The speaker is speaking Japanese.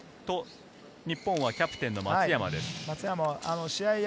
日本はキャプテンの松山です。